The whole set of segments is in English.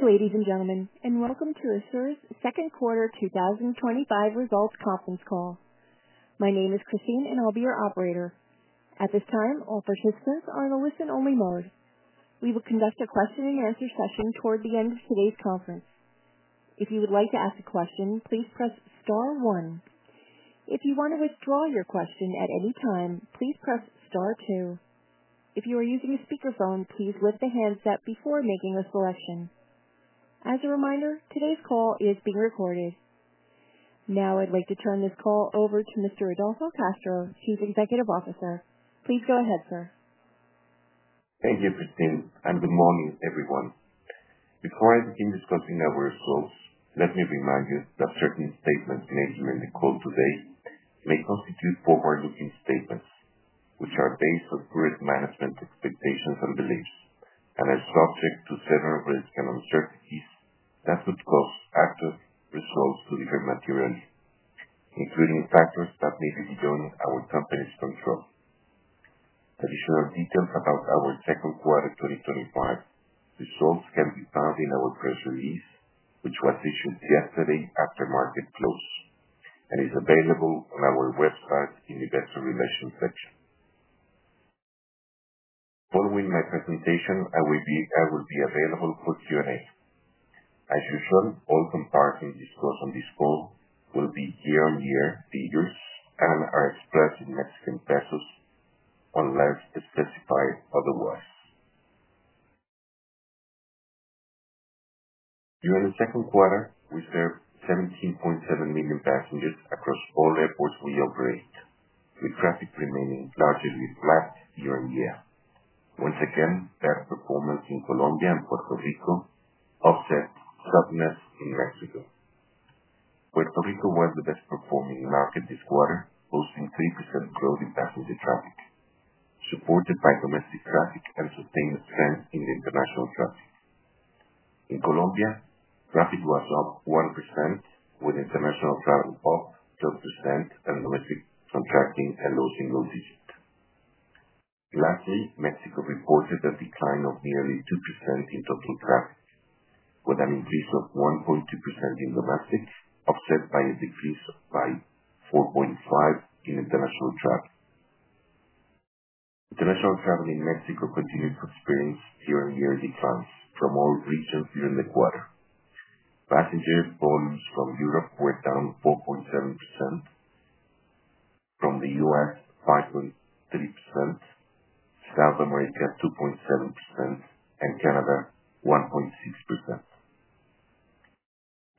Good day, ladies and gentlemen, and welcome to Assure's Second Quarter twenty twenty five Results Conference Call. My name is Christine, and I'll be your operator. At this time, all participants are in a listen only mode. We will conduct a question and answer session toward the end of today's conference. If you would like to ask a question, please press 1. If you want to withdraw your question at any time, please press 2. If you are using a speakerphone, please lift the handset before making a selection. As a reminder, today's call is being recorded. Now I'd like to turn this call over to mister Rodolfo Castro, chief executive officer. Please go ahead, sir. Thank you, Christine, and good morning, everyone. Before I begin discussing our results, let me remind you that certain statements made during the call today may constitute forward looking statements, which are based on risk management expectations and beliefs and are subject to several risks and uncertainties that could cause actual results to differ materially, including factors that may be beyond our company's control. Additional details about our second quarter twenty twenty five results can be found in our press release, which was issued yesterday after market close and is available on our website in Investor Relations section. Following my presentation, I will be I will be available for q and a. As usual, all comparisons discussed on this call will be year on year figures and are expressed in Mexican pesos unless specified otherwise. During the second quarter, we served 17,700,000 passengers across all airports we operate with traffic remaining largely flat year on year. Once again, bad performance in Colombia and Puerto Rico offset softness in Mexico. Puerto Rico was the best performing market this quarter, posting 3% growth in passenger traffic, supported by domestic traffic and sustained strength in the international traffic. In Colombia, traffic was up 1% with international travel up 12% and domestic contracting at low single digit. Lastly, Mexico reported a decline of nearly 2% in total traffic with an increase of 1.2% in domestic, offset by a decrease by 4.5 in international travel. International travel in Mexico continued to experience year on year declines from all regions during the quarter. Passenger volumes from Europe were down 4.7%, from The US 5.3%, South America 2.7%, and Canada 1.6%.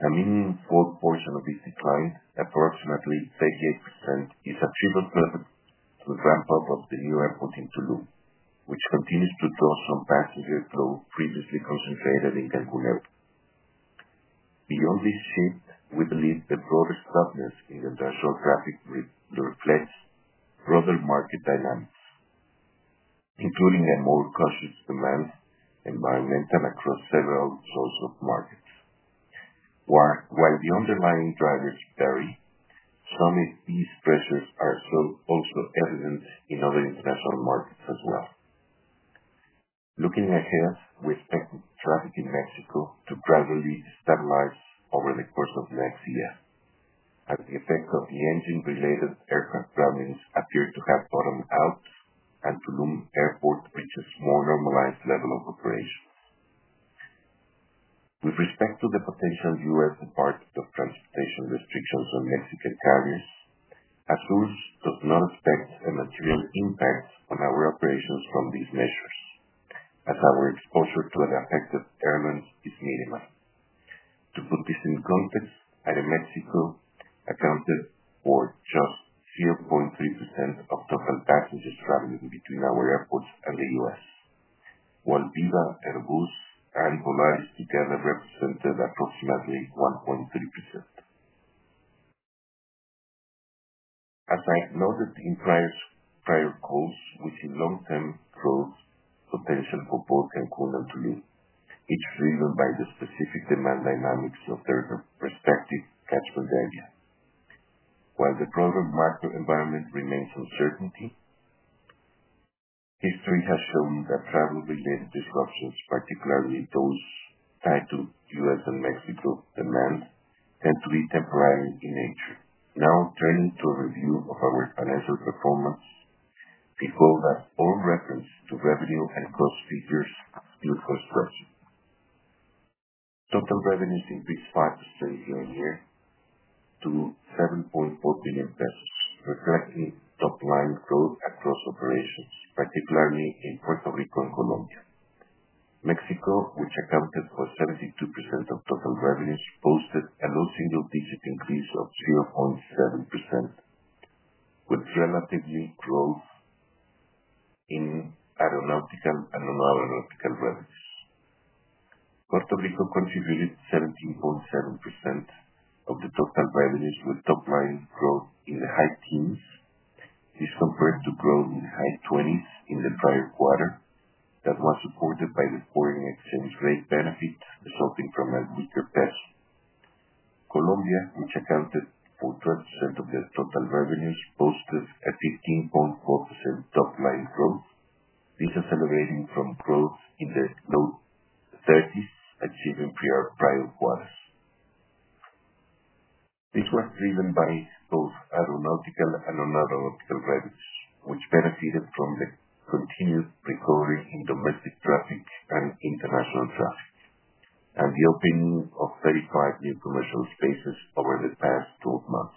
A meaningful portion of this decline, approximately 38%, is attributable to the ramp up of the new airport in Tulum, which continues to draw some passenger flow previously concentrated in Gangulyo. Beyond this shift, we believe the broader softness in industrial traffic reflects broader market dynamics, including a more cautious demand environment across several sorts of markets. While while the underlying drivers vary, some of these pressures are so also evident in other international markets as well. Looking ahead, we expect traffic in Mexico to gradually stabilize over the course of next year as the effect of the engine related aircraft problems appear to have bottomed out and Tulum Airport reaches more normalized level of operations. With respect to the potential US depart of transportation restrictions on Mexican carriers, Azul does not expect a material impact on our operations from these measures as our exposure to the affected airlines is minimal. To put this in context, Aeromexico accounted for just 0.3% of total passengers traveling between our airports and The US. While Viva, Airbus, and Polaris together represented approximately 1.3%. As I noted in price prior calls, which is long term growth potential for both and. It's driven by the specific demand dynamics of their respective catchment area. While the product market environment remains uncertainty, History has shown that travel related disruptions, particularly those tied to US and Mexico demand tend to be temporary in nature. Now turning to a review of our financial performance. People that all reference to revenue and cost figures, new construction. Total revenues increased 5% year on year to 7,400,000,000.0 pesos, reflecting top line growth across operations, particularly in Puerto Rico and Colombia. Mexico, which accounted for 72% of total revenues, posted a low single digit increase of 0.7% with relatively growth in aeronautical and nonaeronautical revenues. Puerto Rico contributed 17.7% of the total revenues with top line growth in the high teens This compared to growth in high 20s in the prior quarter that was supported by the foreign exchange rate benefit resulting from a weaker pest. Colombia, which accounted for 12% of the total revenues, posted a 15.4% top line growth, decelerating from growth in the low thirties achieving prior quarters. This was driven by both aeronautical and nonaeronautical credits, which benefited from the continued recovery in domestic traffic and international traffic, and the opening of 35 new commercial spaces over the past twelve months,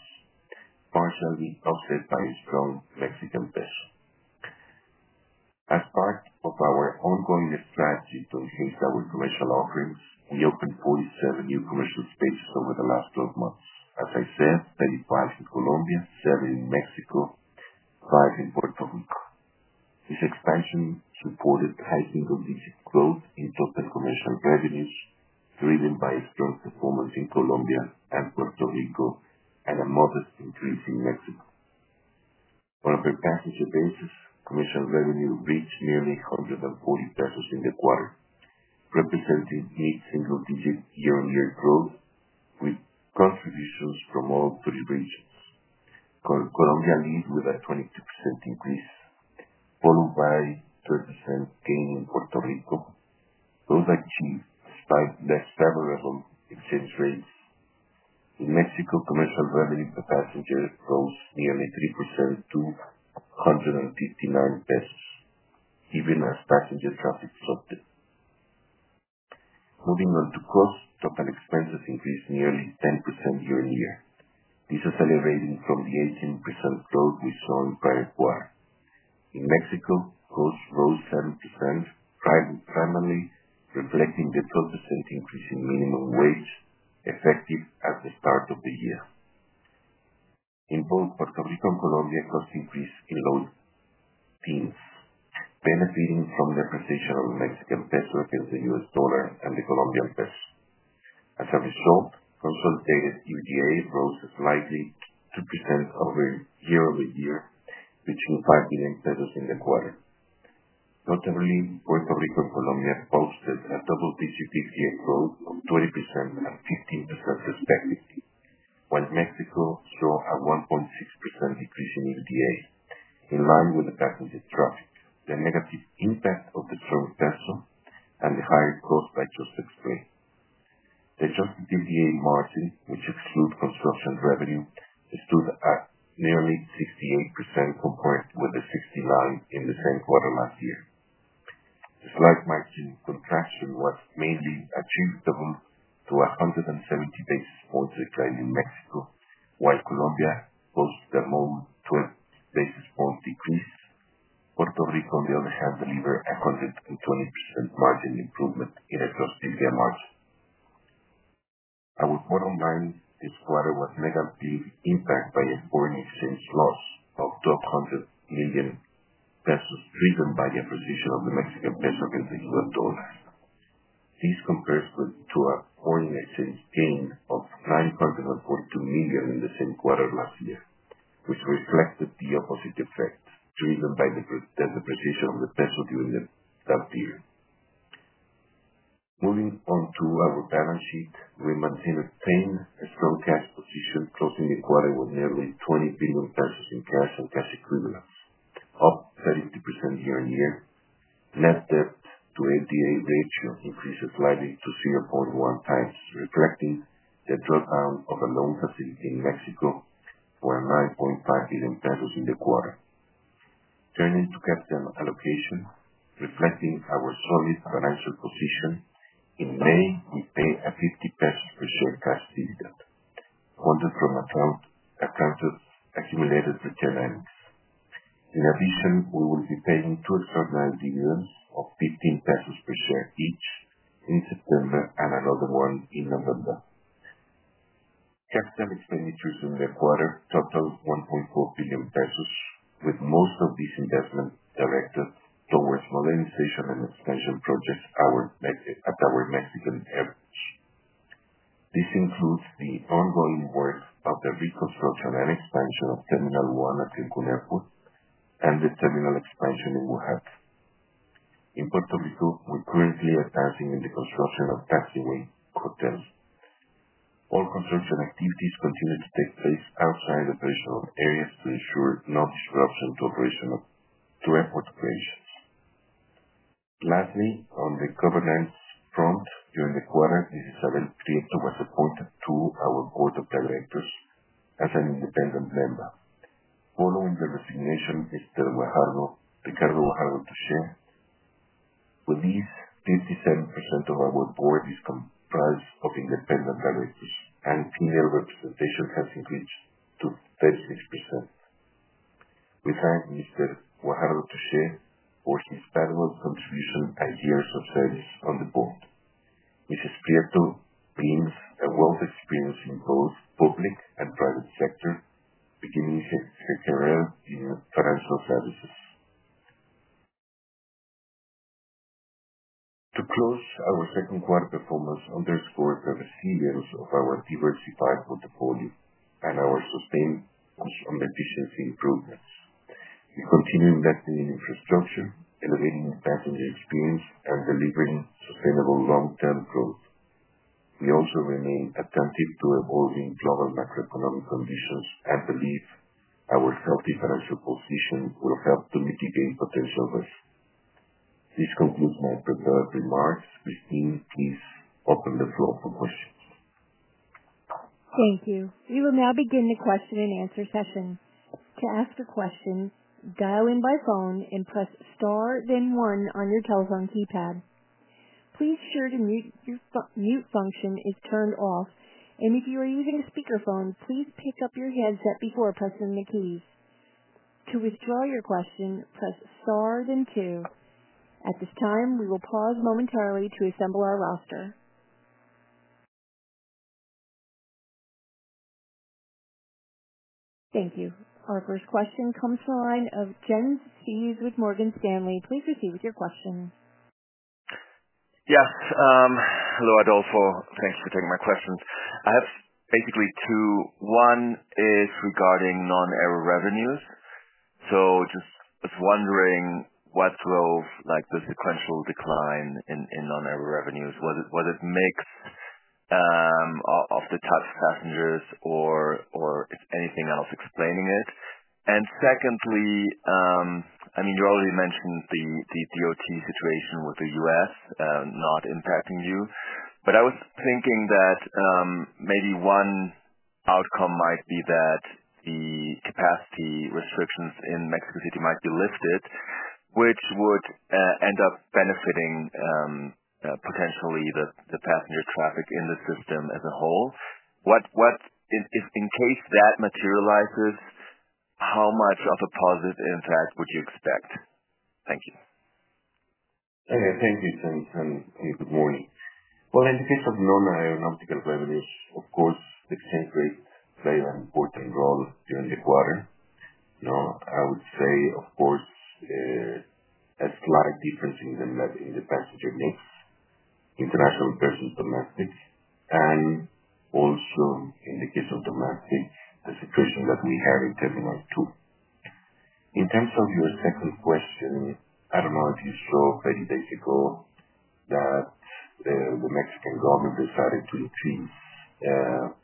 partially offset by strong Mexican peso. As part of our ongoing strategy to engage our commercial offerings, We opened 47 new commercial spaces over the last twelve months. As I said, 35 in Colombia, seven in Mexico, five in Puerto Rico. This expansion supported high single digit growth in total commercial revenues driven by strong performance in Colombia and Puerto Rico and a modest increase in Mexico. On a per passenger basis, commercial revenue reached nearly a 140 pesos in the quarter, representing mid single digit year on year growth with contributions from all three regions. Colombia leads with a 22 increase, followed by 30% gain in Puerto Rico. Those are achieved despite less favorable exchange rates. In Mexico, commercial revenue per passenger rose nearly 3% to a hundred and fifty nine deaths even as passenger traffic disrupted. Moving on to cost. Total expenses increased nearly 10 percent year on year. This is accelerating from the 18% growth we saw in prior quarter. In Mexico, cost rose 7% private primarily reflecting the 12% increase in minimum wage effective at the start of the year. In both Puerto Rico and Colombia, cost increased in low teens, benefiting from the position of Mexican peso against the US dollar and the Colombian peso. As a result, consolidated EBITDA rose slightly 2% over year over year, reaching 5,000,000 pesos in the quarter. Notably, Puerto Rico and Colombia posted a double digit growth of 2015% respectively, while Mexico saw a 1.6% decrease in EBITDA in line with the passenger traffic, the negative impact of the total peso, and the higher cost I just explained. The adjusted EBITDA margin, which exclude construction revenue, stood at nearly 68% compared with the 69 in the same quarter last year. The slight margin contraction was mainly achievable to a 170 points decline in Mexico, while Colombia post the moment, 20 basis point decrease. Puerto Rico, we only have delivered a 120% margin improvement in a cost in the March. Our bottom line this quarter was negatively impacted by a foreign exchange loss of 1,200,000,000 pesos driven by the acquisition of the Mexican peso and the US dollar. This compares with to a foreign exchange gain of 942,000,000 in the same quarter last year, which reflected the opposite effect driven by the the depreciation of the peso during the last year. Moving on to our balance sheet. We maintain a strong cash position, closing the quarter with nearly 20,000,000,000 pesos in cash and cash equivalents, up 30 year on year. Net debt to EBITDA ratio increased slightly to 0.1 times, reflecting the drop down of a loan facility in Mexico for 9,500,000,000.0 pesos in the quarter. Turning to capital allocation. Reflecting our solid financial position, in May, we paid a 50 peso per share cash dividend, accounted from account accounted accumulated to Genanx. In addition, we will be paying two extraordinary dividends of 15 pesos per share each in September and another one in November. Capital expenditures in the quarter totaled 1,400,000,000.0 pesos with most of these investments directed towards modernization and expansion projects at our Mexican average. This includes the ongoing work of the reconstruction and expansion of Terminal 1 at Lincoln Airport and the terminal expansion in Wuhan. In Puerto Rico, we're currently advancing in the construction of taxiway hotels. All construction activities continue to take place outside operational areas to ensure no disruption to operation of to airport operations. Lastly, on the governance front, during the quarter, this is a very clear to our support to our board of directors as an independent member. Following the resignation, mister Guajardo Ricardo Guajardo Tushe. With this, 57 of our board is comprised of independent directors, and female representation has increased to 36%. We thank mister Guajardo Tushe for his valuable contribution and years of service on the board. Missus Prieto brings a wealth experience in both public and private sector, beginning in financial services. To close, our second quarter performance underscores the resilience of our diversified portfolio and our sustained cost on efficiency improvements. We continue investing in infrastructure, elevating passenger experience, and delivering sustainable long term growth. We also remain attentive to evolving global macroeconomic conditions and believe our healthy financial position will help to mitigate potential risk. This concludes my prepared remarks. Christine, please open the floor for questions. Thank you. We will now begin the question and answer session. To ask a question, dial in by phone and press star then one on your telephone keypad. Please sure the mute your mute function is turned off. And if you are using a speakerphone, please pick up your headset before pressing the keys. Our first question comes from the line of Jen Sees with Morgan Stanley. I have basically two. One is regarding nonair revenues. So just just wondering what drove, like, the sequential decline in in nonair revenues. Was it was it mix of the touch passengers or or if anything else explaining it? And secondly, I mean, you already mentioned the the DOT situation with The US not impacting you. But I was thinking that maybe one outcome might be that the capacity restrictions in Mexico City might be lifted, which would end up benefiting potentially the the passenger traffic in the system as a whole. What what in in in case that materializes, how much of a positive impact would you expect? Thank you. Okay. Thank you, James, and good morning. Well, in the case of non aeronautical revenues, of course, exchange rate played an important role during the quarter. You know, I would say, of course, a slight difference in the in the passenger mix, international versus domestic. And also, in the case of domestic, the situation that we have in Terminal 2. In terms of your second question, I don't know if you saw thirty days ago that the Mexican government decided to increase or to ease to ease restriction they have in Mexico City Airport from 43 to 44. This announcement explained that they have made an analysis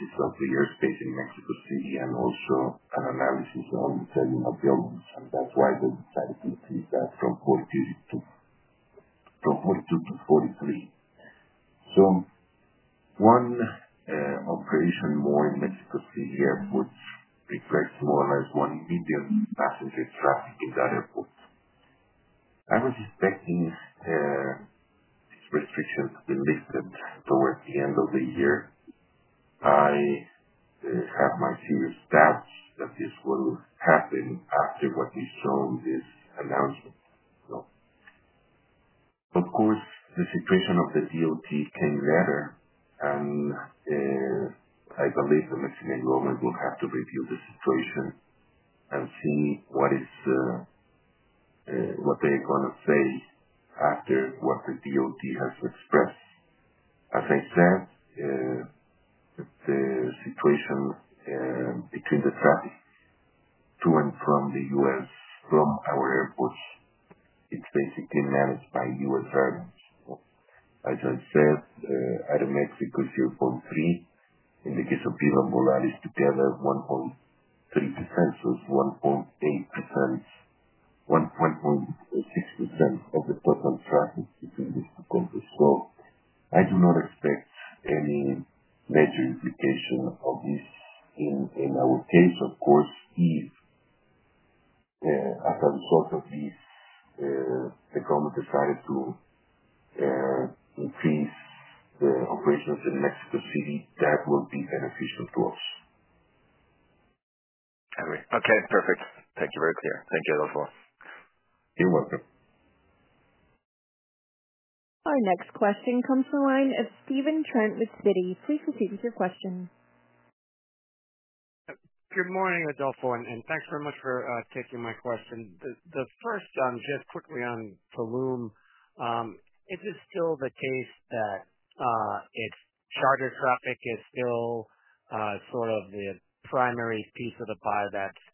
of the airspace in Mexico City and also an analysis on the cellular buildings. And that's why they decided to increase that from 42 to 42 to 43. So one operation more in Mexico City Airport reflects more or less one medium passenger traffic in that airport. I was expecting restrictions to be lifted towards the end of the year. I have my serious doubts that this will happen after what we've shown this announcement. So, of course, the situation of the DOT came better, and I believe the Mexican government will have to review the situation and see what is what they're gonna say after what the DOT has expressed. As I said, the situation between the traffic to and from The US from our airports, it's basically managed by US airlines. I just said, out of Mexico, 0.3. In the case of Pira and Volaris together, 1.3%. So it's 1.8%, 1.16% of the total traffic between this two countries. So I do not expect any major implication of this in in our case, of course, if as a result of this, the government decided to increase the operations in Mexico City, that will be beneficial to us. I agree. Okay. Perfect. Thank you very clear. Thank you, Adolfo. You're welcome. Our next question comes from the line of Stephen Trent with Citi. Proceed with your question. First, just quickly on Tulum. Is this still the case that it's Charter traffic is still sort of the primary piece of the pie that's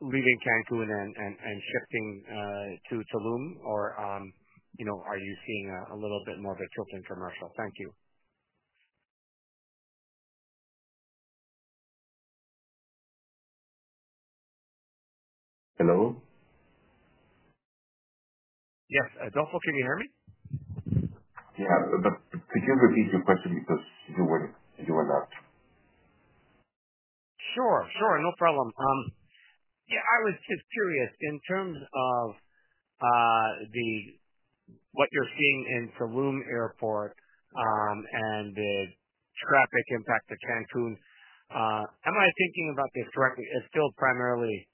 leaving Cancun and and and shifting to Tulum? Or, you know, are you seeing a little bit more of a tilt in commercial? Thank you. Hello? Yes. Adolfo, can you hear me? Yeah. But could you repeat your question? Because you were you were not. Sure. Sure. No problem. Yeah. I was just curious. In terms of the what you're seeing in Tulum Airport and the traffic impact to Cancun, Am I thinking about this correctly? It's still primarily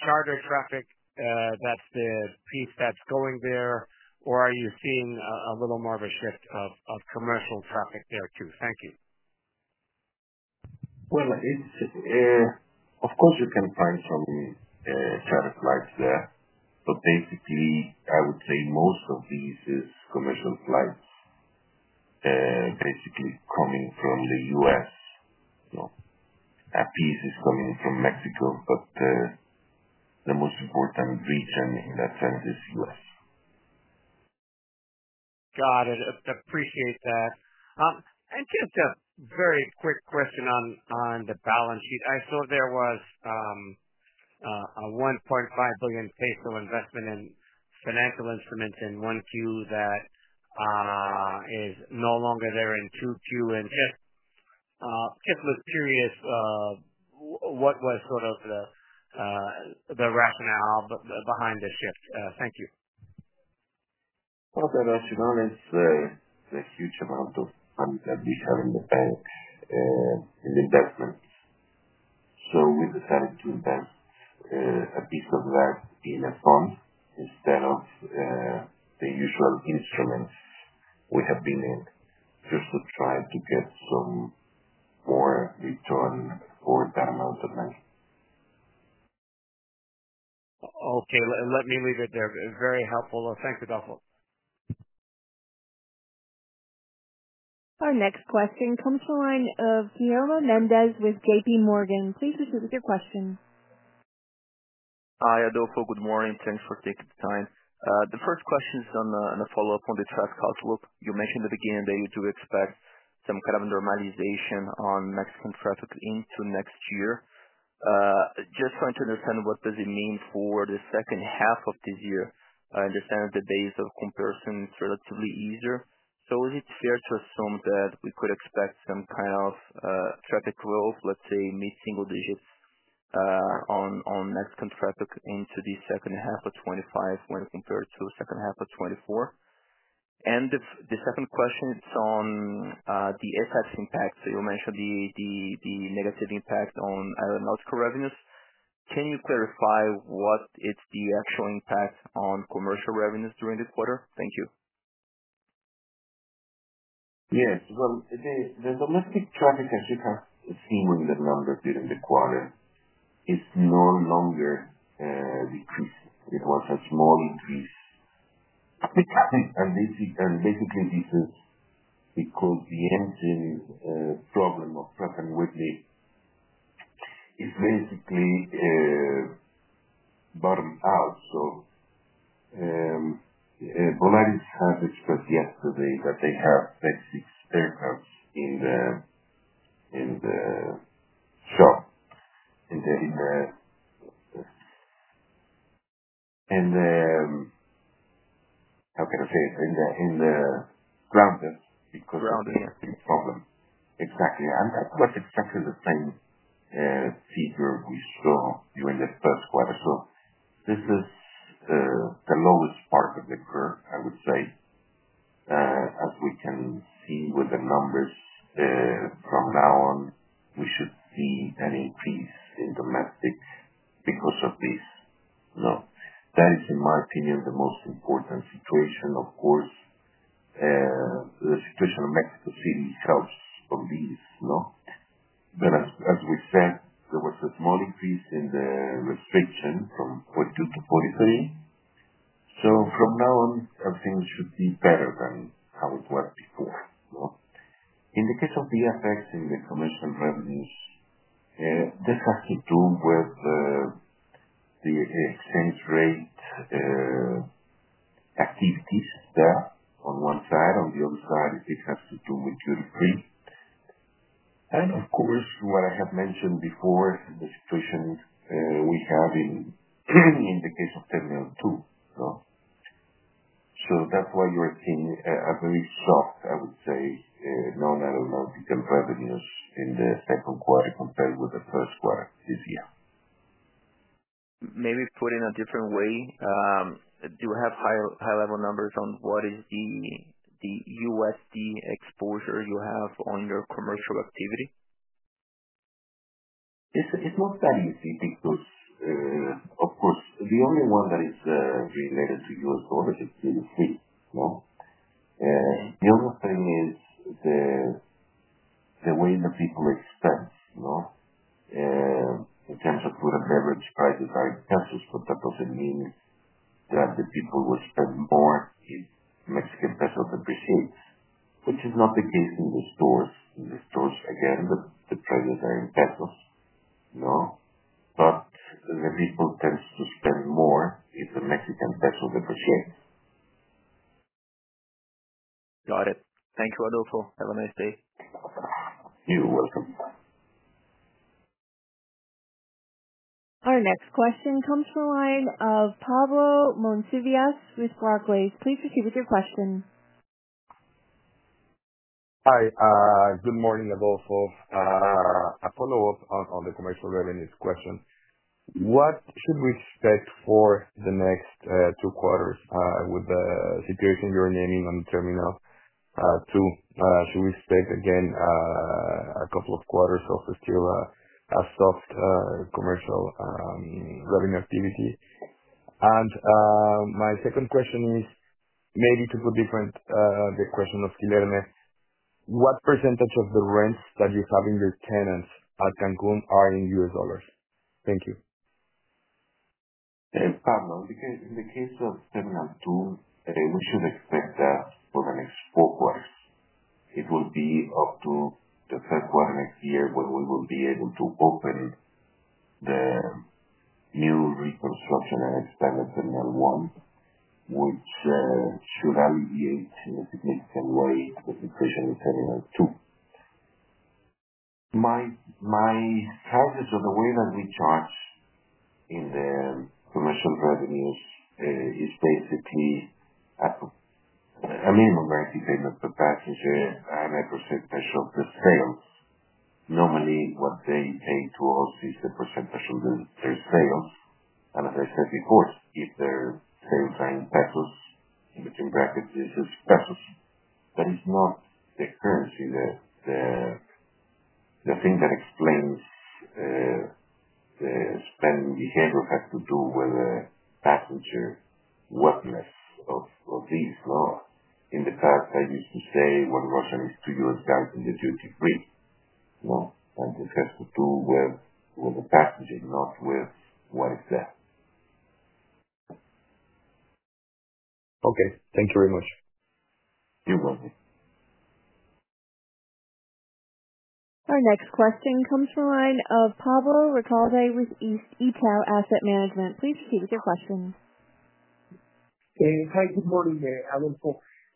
charter traffic that's the piece that's going there, or are you seeing a a little more of a shift of of commercial traffic there too? Thank you. Well, it's of course, you can find some traffic lights there. But, basically, I would say most of these is commercial flights, basically, coming from The US. You know, a piece is coming from Mexico, but the most important region in that sense is US. Got it. Appreciate that. And just a very quick question on on the balance sheet. I saw there was a 1,500,000,000 investment in financial instruments in 1Q that is no longer there in two queue. And just just was curious what was sort of the rationale behind the shift? Thank you. Okay. As you know, it's a huge amount of funds that we have in the bank in investments. So we decided to invest a piece of that in a fund instead of the usual instruments we have been in just to try to get some more return for that amount of money. Okay. Let let me leave it there. Very helpful. Thanks, Adolfo. Our next question comes from the line of Guillaume Mendez with JPMorgan. Please proceed with your question. Hi, Adolfo. Good morning. Thanks for taking the time. The first question is on a follow-up on the traffic outlook. You mentioned at the beginning that you do expect some kind of normalization on Mexican traffic into next year. Just trying to understand what does it mean for the second half of this year. I understand the days of comparison is relatively easier. So is it fair to assume that we could expect some kind of traffic growth, let's say, single digits on next contract into the 2025 when compared to second half of twenty twenty four? And the second question is on the FX impact. So you mentioned the negative impact on aeronautical revenues. Can you clarify what is the actual impact on commercial revenues during this quarter? Thank you. Yes. Well, the the domestic traffic that you have seen in the numbers during the quarter is no longer decreasing. It was a small increase. I think traffic are basic and basically, this is because the engine problem of Preston Whitley It's basically bottomed out. So Vonage has expressed yesterday that they have, like, six aircrafts in the in the shop. And then in the in the how can I say it? In the in the grounders because Grounders. Problem. Exactly. And that was exactly the same feature we saw during the first quarter. So this is the lowest part of the curve, I would say. As we can see with the numbers from now on, we should see an increase in domestic because of this. You know? That is, in my opinion, the most important situation, of course. The situation in Mexico City helps from this. You know? But as as we said, there was a small increase in the restriction from 42 to 43. So from now on, I think it should be better than how it worked before. In the case of the effects in the commercial revenues, this has to do with the exchange rate activities there on one side. On the other side, it has to do with duty free. And, of course, what I have mentioned before, the situation we have in in the case of terminal two. So so that's why you're seeing a very soft, I would say, nominal, low, medium revenues in the second quarter compared with the first quarter this year. Maybe put in a different way, do you have high high level numbers on what is the the USD exposure you have on your commercial activity? It's it's not that easy because, of course, the only one that is related to US dollars is really free. You know? The other thing is the way the people expense, you know, in terms of food and beverage prices are in pesos, but that doesn't mean that the people will spend more in Mexican peso depreciates, which is not the case in the stores. In the stores, again, the the prices are in pesos, You know? But the people tends to spend more if the Mexican peso depreciate. Got it. Thank you, Adolfo. Have a nice day. You're welcome. Our next question comes from the line of Pablo Monsievias with Barclays. A follow-up on on the commercial revenues question. What should we expect for the next two quarters with the situation you're naming on Terminal 2? Should we expect again a couple of quarters of still a soft commercial revenue activity? And my second question is maybe to put different the question of Guilherme. What percentage of the rents that you have in your tenants at Cancun are in US dollars? Thank you. And, Pablo, because in the case of Terminal 2, we should expect that for the next four quarters. It will be up to the third quarter next year when we will be able to open the new reconstruction and expand in Terminal 1, which should alleviate in a significant way with the creation of Terminal 2. My my charges or the way that we charge in the commercial revenues is basically a minimum 90 payment per passenger and a percent special to sales. Normally, what they pay to us is the percentage of the their sales. And as I said before, if their sales are in pesos, in between brackets, this is pesos. That is not the currency. The the thing that explains the spending behavior has to do with the passenger weakness of of these law. In the past, I used to say what Russia needs to do is guide in the duty free. No. And it has to do with with the packaging, not with what is there. Okay. Thank you very much. You're welcome. Our next question comes from the line of Pablo Ricaldi with Itau Asset Management.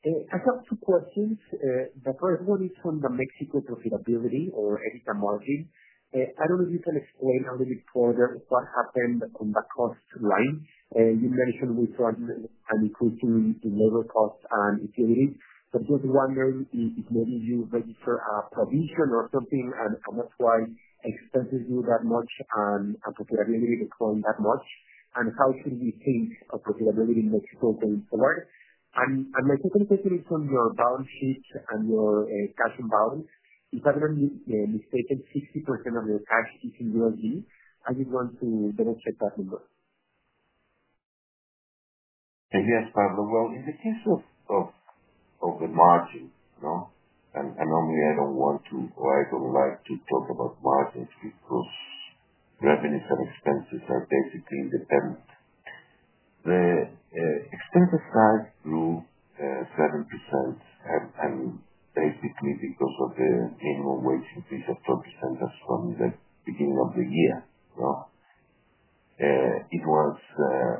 I have two questions. The first one is from the Mexico profitability or EBITDA margin. I don't know if you can explain a little bit further what happened on the cost line. You mentioned we saw an increase in labor cost and utilities. So just wondering if maybe you register a provision or something and and that's why expenses do that much and profitability decline that much. And how should we think of profitability in Mexico going forward? And and my second question is from your balance sheet and your cash and balance. Is that gonna be may I mistaken 60% of your cash is in USD? I just want to double check that number. And, yes, Pablo. Well, in the case of of of the margin, you know, and, normally, I don't want to or I don't like to talk about margins because revenues and expenses are basically independent. The expenses side grew 7% and and basically because of the annual wage increase of 12% as from the beginning of the year. So It was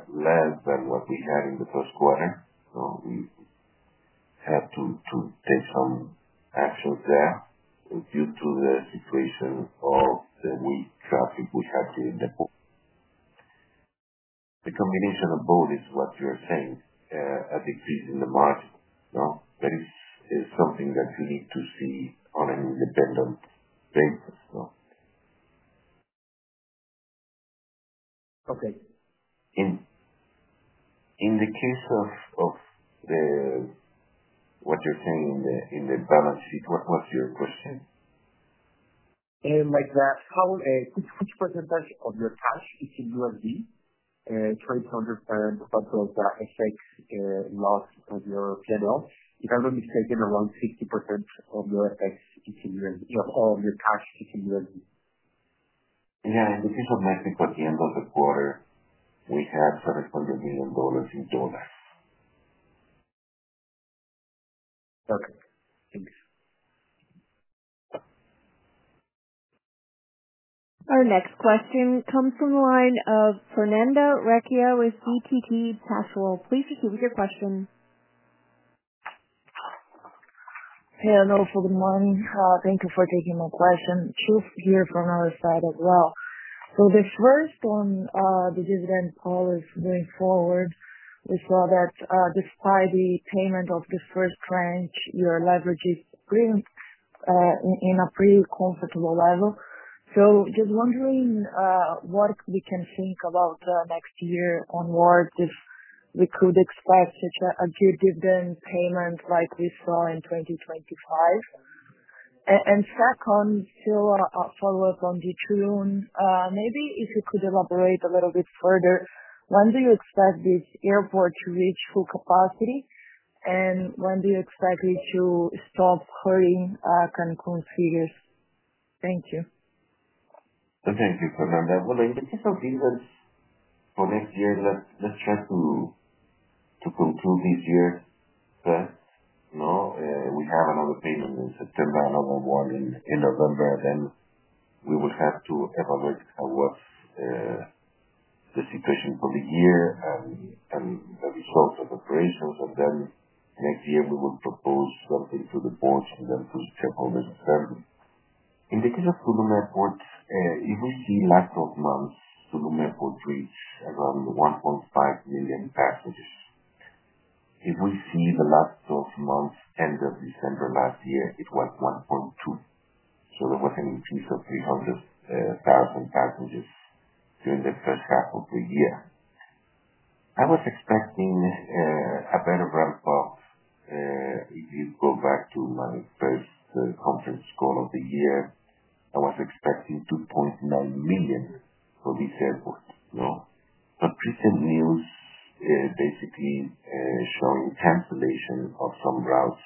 less than what we had in the first quarter. So we have to to take some actions there due to the situation of the weak traffic we had to in the the combination of both is what you're saying, a decrease in the market. No? That is is something that you need to see on an independent basis. No? Okay. In the case of of the what you're saying in in the balance sheet, what was your question? Like that, how which which percentage of your cash is in USD? And try to understand what those effects loss of your p and l. If I'm not mistaken, around 60% of your effects is in your of all of your cash is in your end. Yeah. And because of my thing, at the end of the quarter, we have $700,000,000 in dollars. Okay. Thanks. Our next question comes from the line of Fernando Rechia with ETT Capital. Please proceed with your question. Hello. So good morning. Thank you for taking my question. Two here from our side as well. So the first one, the dividend policy going forward, we saw that despite the payment of the first tranche, your leverage is in a pretty comfortable level. So just wondering what we can think about the next year onward if we could expect such a due dividend payment like we saw in 2025? And second, still a follow-up on Detune. Maybe if you could elaborate a little bit further, when do you expect this airport to reach full capacity, and when do you expect it to stop hurting Cancun figures? Thank you. Thank you, Fernando. Well, I think it's okay. Let's for next year. Let's let's try to to go through this year. But, you know, we have another payment in September, another one in in November, then we would have to evaluate what's the situation for the year and and the results of operations. And then next year, we will propose something to the board and then to shareholders. In the case of Pulumi Airport, if we see last twelve months, Tulum Airport reached around 1,500,000 passengers. If we see the last twelve months December, it was 1.2. So there was an increase of 300,000 passengers during the first half of the year. I was expecting a better ramp up. If you go back to my first conference call of the year, I was expecting 2,900,000 for this airport. You know? But recent news, basically, showing cancellation of some routes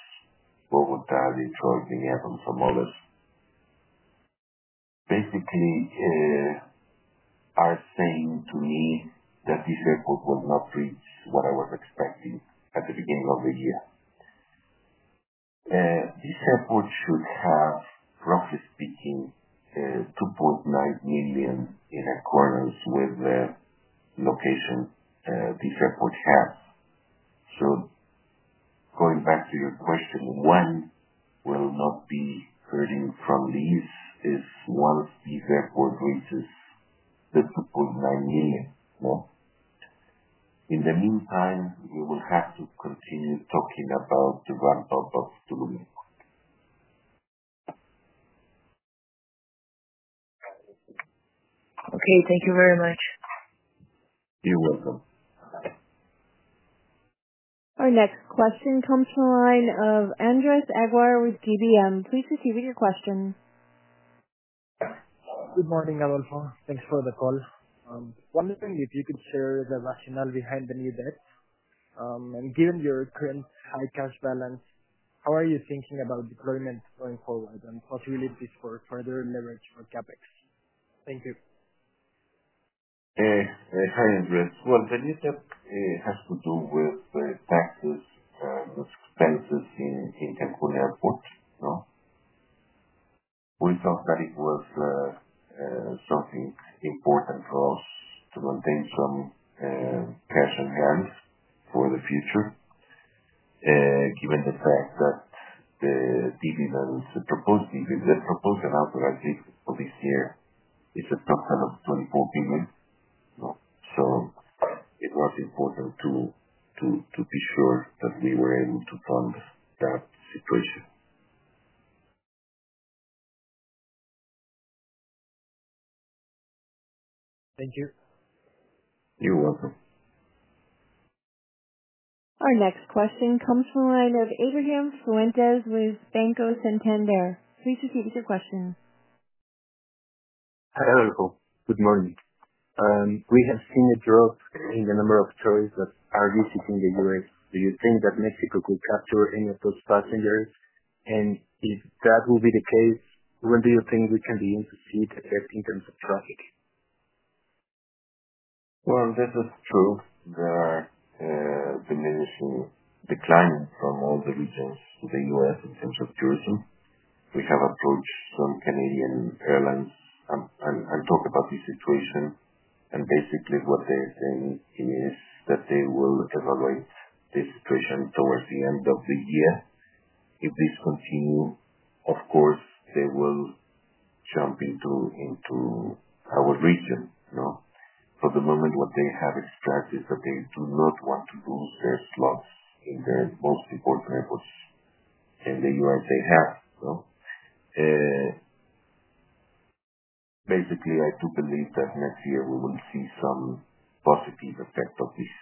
over the in terms of being out on some others. Basically, are saying to me that this airport will not reach what I was expecting at the beginning of the year. This airport should have, roughly speaking, 2,900,000.0 in accordance with the location this airport has. So going back to your question, when will not be hurting from these is one of these airport reaches the 2,900,000. In the meantime, we will have to continue talking about the ramp up of Tulum. Okay. Thank you very much. You're welcome. Our next question comes from the line of Andres Aguirre with GBM. Please proceed with your question. Good morning, Alfon. Thanks for the call. Wondering if you could share the rationale behind the new debt. And given your current high cash balance, how are you thinking about deployment going forward and possibly for further leverage for CapEx? Thank you. Hi, Andre. Well, the new debt has to do with the taxes expenses in in Cancun Airport. No? We thought that it was something important for us to maintain some cash in hand for the future given the fact that dividend the proposed dividend the proposed amount that I think for this year is a top line of 24,000,000,000. No. So it was important to to to be sure that we were able to fund that situation. Thank you. You're welcome. Our next question comes from the line of Ebrahim Suarez with Banco Santander. Please proceed with your question. Hello. Good morning. We have seen a drop in the number of tourists that are visiting The US. Do you think that Mexico could capture any of those passengers? And if that will be the case, when do you think we can be to see the effect in terms of traffic? Well, this is true. The diminishing decline from all the regions in The US in terms of tourism. We have approached some Canadian airlines and and and talk about the situation. And, basically, what they're saying is that they will evaluate the situation towards the end of the year. If this continue, of course, they will jump into into our region. You know? For the moment, what they have extracted that they do not want to lose their slots in their most important airports in The US they have. So, basically, I do believe that next year, we will see some positive effect of this,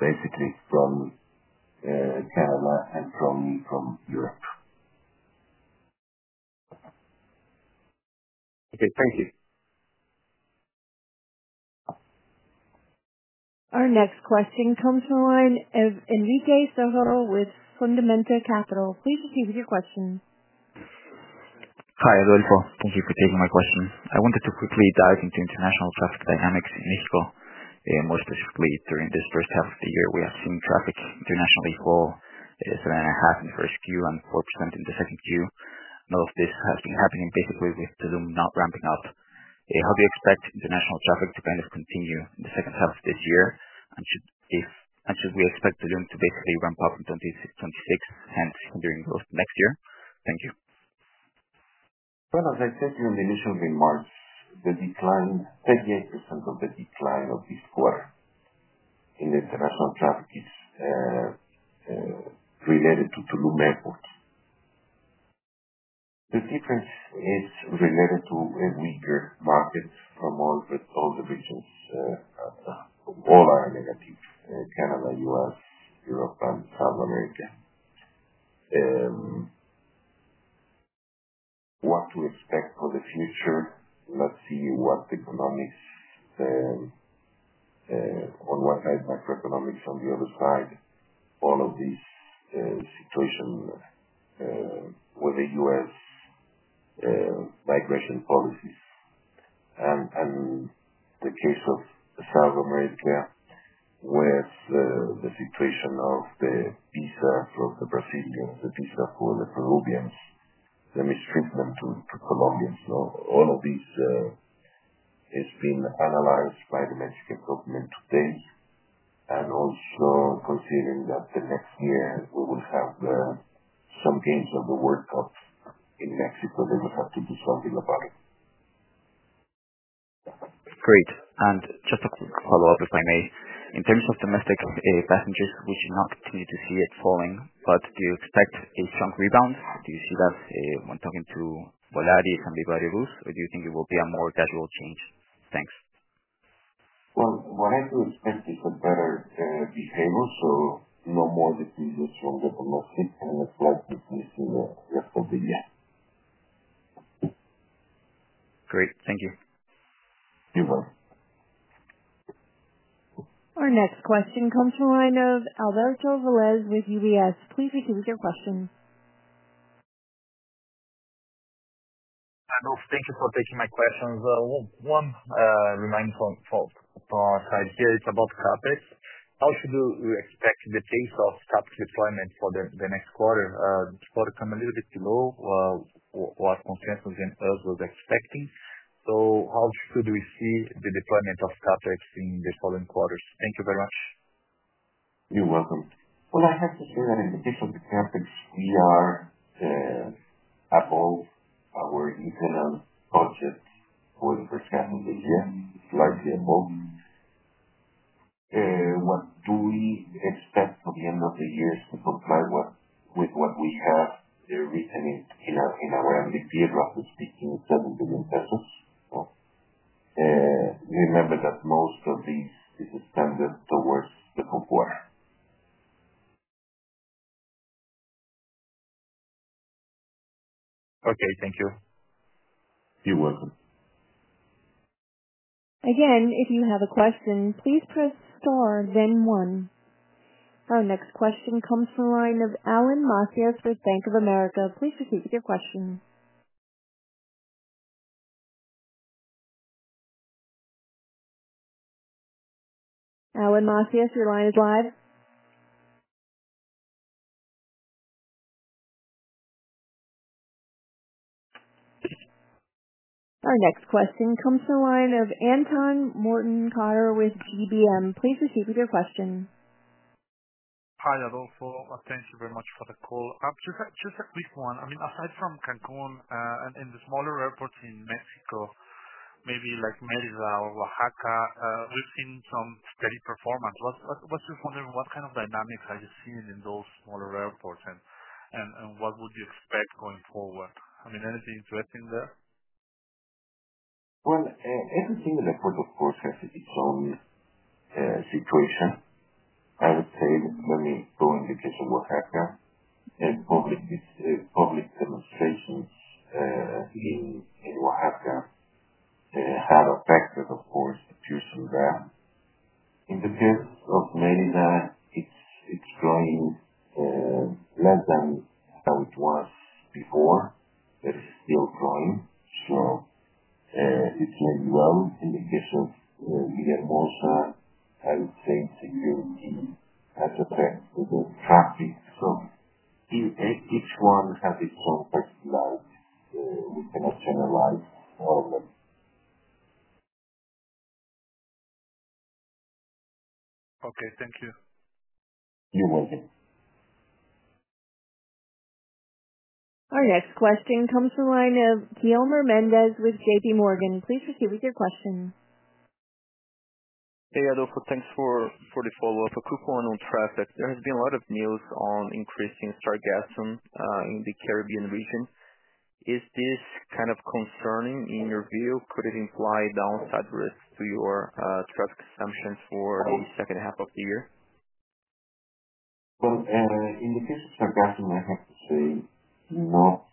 basically, from Canada and from from Europe. Okay. Thank you. Our next question comes from the line of Enrique Sogaro with Fundamenta Capital. I wanted to quickly dive into international traffic dynamics in Mexico. And most specifically, during this first half of the year, we have seen traffic internationally fall. It is a nine and a half in the first Q and 4% in the second Q. Now if this has been happening basically with Tulum not ramping up. How do you expect international traffic to kind of continue in the second half of this year? And should if and should we expect the Zoom to basically ramp up in 2626, hence, during both next year? Thank you. Well, as I said in the initial remarks, the decline 38% of the decline of this quarter in international traffic is related to Tulum Airport. The difference is related to a weaker market from all the all the regions. All are negative. Canada, US, Europe, and South America. What to expect for the future? Let's see what economics and on what type of economics on the other side, all of these situation with The US migration policies. And and the case of South America with the the situation of the visa for the Brazilian, the visa for the Peruvians, the mistreatment to to Colombians. So all of these is being analyzed by the Mexican government today. And also considering that the next year, we will have some gains of the World Cup in Mexico. They would have to do something about it. Great. And just a quick follow-up, if I may. In terms of domestic passengers, we should not continue to see it falling, but do you expect a strong rebound? Do you see that when talking to Volaris and Volaris, or do you think it will be a more casual change? Thanks. Well, what I do expect is a better behavior, so no more business in rest of the year. Our next question comes from the line of Alberto Velez with UBS. Proceed with your question. Thank you for taking my questions. Remind from side here is about CapEx. How should we expect the case of capital deployment for the next quarter? Gotta come a little bit low. What consensus and us was expecting. So how should we see the deployment of CapEx in the following quarters? Thank you very much. You're welcome. Well, I have to say that in addition to CapEx, we are above our internal budget for the first half of the year. It's likely above. What do we expect from the end of the year is to comply with with what we have. They're written in in our in our MVP roughly speaking 7,000,000,000 pesos. Remember that most of these is suspended towards the full quarter. Our next question comes from the line of Alan Macias with Bank of America. Please proceed with your question. Our next question comes from the line of Anton Mortenkauer with GBM. Proceed with your question. Adolfo. Thank you very much for the call. Just a quick one. I mean, from Cancun and the smaller airports in Mexico, maybe like, Merida or Oaxaca, we've seen some steady performance. What what what just wondering what kind of dynamics are you seeing in those smaller airports and and and what would you expect going forward? I mean, anything interesting there? Well, everything in the court, of course, has its own situation. I would say, let me go in because of what happened and public public demonstrations in in what happened. Had affected, of course, the fusion there. In the case of many that, it's it's growing less than how it was before. It's still growing. So it's very well in the case of we get most of I would think to you, the as of the traffic. So each one has its own, like, we cannot generalize all of them. Okay. Thank you. You're welcome. Our next question comes from the line of Kielmer Mendez with JPMorgan. Proceed with your question. Hey, Adolfo. Thanks for for the follow-up. A quick one on traffic. There has been a lot of news on increasing stargassum in the Caribbean region. Is this kind of concerning in your view? Could it imply downside risk to your traffic assumptions for the second half of the year? Well, in the case of stargassum, I have to say not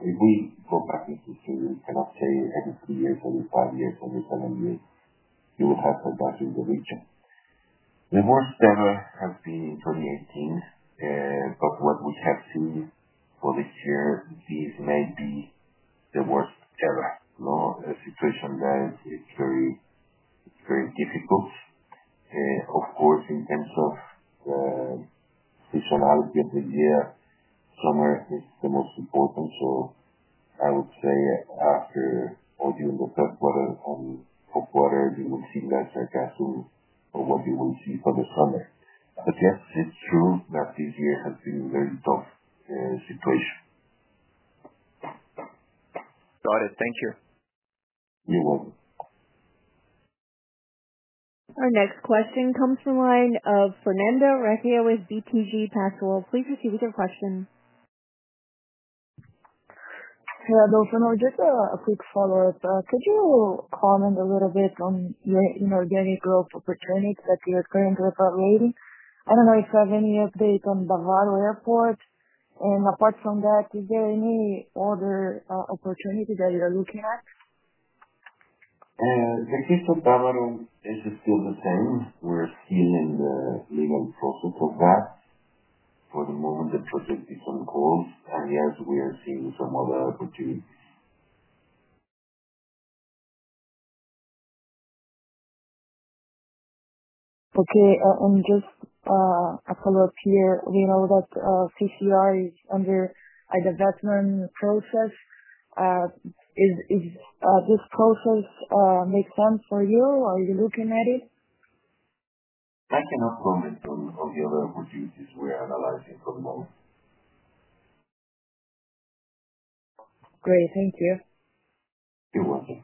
if we go back into to cannot say every three years, every five years, every seven years, you will have to back in the region. The worst ever has been 2018, but what we have seen for this year, this might be the worst era. You know, a situation that is very very difficult. Of course, in terms of seasonality of the year, summer is the most important. So I would say after all the end of third quarter and fourth quarter, you will see that's our capital or what you will see for the summer. But, yes, it's true that this year has been very tough situation. Got it. Thank you. You're welcome. Our next question comes from the line of Fernando Rechio with BTG Pactual. Please proceed with your question. Hello, Fernando. Just a quick follow-up. Could you comment a little bit on your inorganic growth opportunities that you're currently evaluating? I don't know if you have any update on the Valo Airport. And apart from that, is there any other opportunity that you are looking at? The case of Valo is still the same. We're seeing the legal process of that For the moment, the project is on calls, and, yes, we are seeing some other opportunity. Okay. And just a follow-up here. We know that CCR is under a development process. Is is this process make sense for you? Are you looking at it? I cannot comment on on the other opportunities we're analyzing for the moment. Great. Thank you. You're welcome.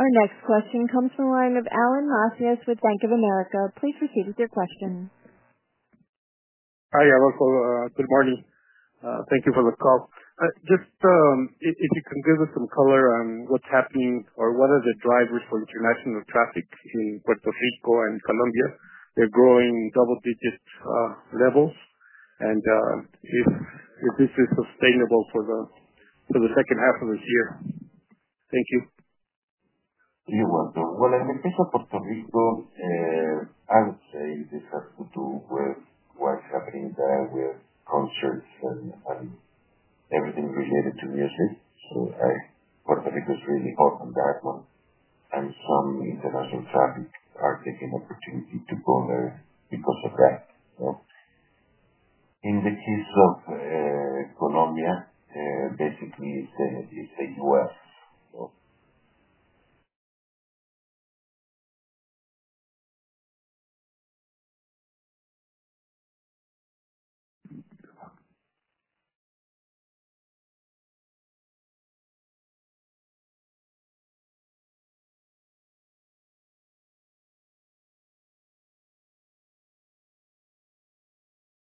Our next question comes from the line of Alan Lasias with Bank of America. Just if you give us some color on what's happening or what are the drivers for international traffic in Puerto Rico and Colombia. They're growing double digit levels and if this is sustainable for the for the second half of this year. Thank you. Do you want to well, I mean, based on Puerto Rico, I would say this has to do with what's happening there with concerts and and everything related to music. So I Puerto Rico is really hot on that one, and some international traffic are taking opportunity to go there because of that. So in the case of Colombia, basically, it's it's The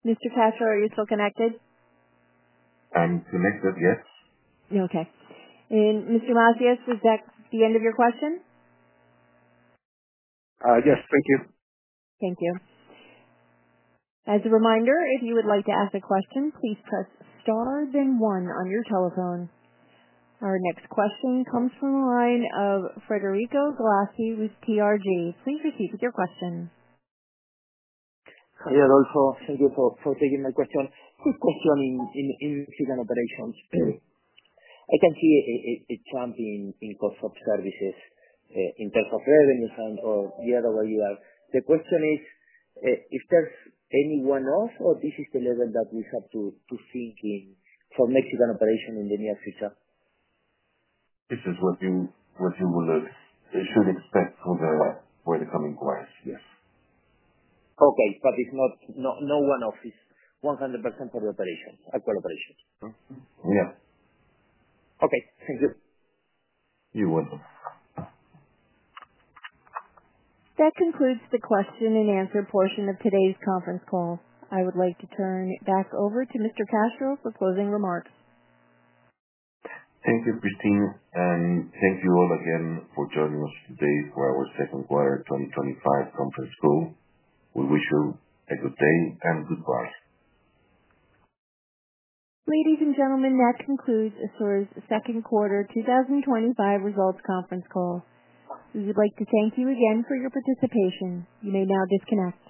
US. So Mister Castro, are you still connected? I'm connected. Yes. Okay. Mister Macias, was that the end of your question? Yes. Thank you. Thank you. Our next question comes from the line of Frederico Velasci with PRG. Please proceed with your question. Yes, also. Thank you for taking my question. Quick question in incident operations. I can see a jump in cost of services in terms of revenues and or the other way you are. The question is, if there's any one off or this is the level that we have to to thinking for Mexican operation in the near future? This is what you what you would have they should expect for the for the coming quarters. Yes. Okay. But it's not no no one office. 100% for the operation operations. Yep. Okay. Thank you. You're welcome. That concludes the question and answer portion of today's conference call. I would like to turn it back over to Mr. Castro for closing remarks. Thank you, Christine, and thank you all again for joining us today for our second quarter twenty twenty five conference call. We wish you a good day and good luck. Ladies and gentlemen, that concludes Assure's Second Quarter twenty twenty five Results Conference Call. We would like to thank you again for your participation. You may now disconnect.